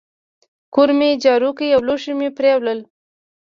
کور مي جارو کی او لوښي مي پرېولل.